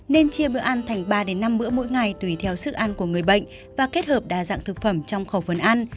nên chia bữa ăn thành ba năm bữa mỗi ngày tùy theo sức ăn của người bệnh và kết hợp đa dạng thực phẩm trong khẩu phần ăn